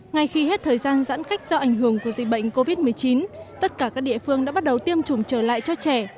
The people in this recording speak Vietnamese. ngay khi hết thời gian giãn cách do ảnh hưởng của dịch bệnh covid một mươi chín tất cả các địa phương đã bắt đầu tiêm chủng trở lại cho trẻ